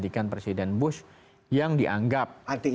kita juga jangan